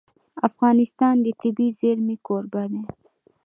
افغانستان د طبیعي زیرمې کوربه دی.